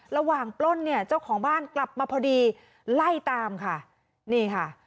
ปล้นเนี่ยเจ้าของบ้านกลับมาพอดีไล่ตามค่ะนี่ค่ะ